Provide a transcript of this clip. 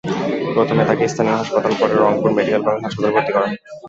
প্রথমে তাকে স্থানীয় হাসপাতাল, পরে রংপুর মেডিকেল কলেজ হাসপাতালে ভর্তি করা হয়।